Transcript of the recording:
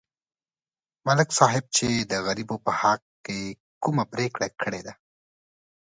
ملک صاحب چې د غریبو په حق کې کومه پرېکړه کړې ده